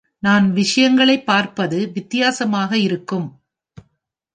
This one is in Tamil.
நான் விஷயங்களைப் பார்ப்பது வித்தியாசமாக இருக்கும்.